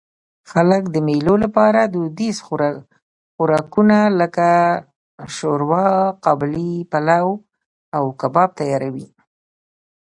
خلک د مېلو له پاره دودیز خوراکونه؛ لکه ښوروا، قابلي پلو، او کباب تیاروي.